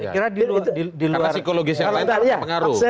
karena psikologi yang lain tak mengaruh